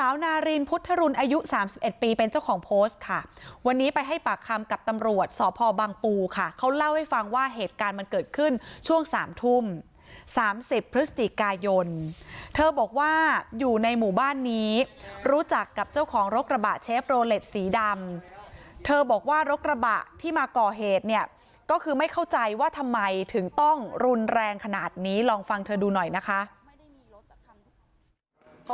นารินพุทธรุนอายุ๓๑ปีเป็นเจ้าของโพสต์ค่ะวันนี้ไปให้ปากคำกับตำรวจสพบังปูค่ะเขาเล่าให้ฟังว่าเหตุการณ์มันเกิดขึ้นช่วงสามทุ่ม๓๐พฤศจิกายนเธอบอกว่าอยู่ในหมู่บ้านนี้รู้จักกับเจ้าของรถกระบะเชฟโรเล็ตสีดำเธอบอกว่ารถกระบะที่มาก่อเหตุเนี่ยก็คือไม่เข้าใจว่าทำไมถึงต้องรุนแรงขนาดนี้ลองฟังเธอดูหน่อยนะคะ